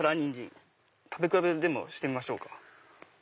食べ比べでもしてみましょうか？